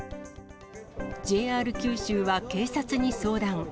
ＪＲ九州は警察に相談。